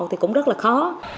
thì cũng rất là khó